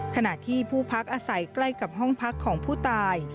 ขณะที่ผู้พักอาศัยใกล้กับห้องพักของผู้ตาย